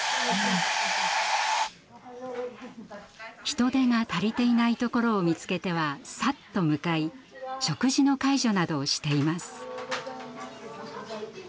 人手が足りていないところを見つけてはさっと向かい食事の介助などをしています。